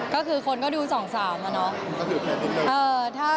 ก็คือคนก็ดู๒๓อะเนาะ